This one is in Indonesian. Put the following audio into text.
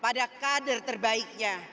pada kader terbaiknya